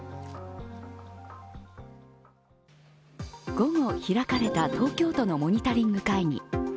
午後開かれた東京都のモニタリング会議。